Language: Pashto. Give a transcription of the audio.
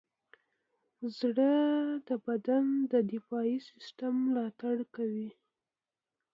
زړه د بدن د دفاعي سیستم ملاتړ کوي.